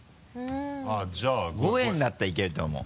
あぁじゃあ。５円だったらいけると思う。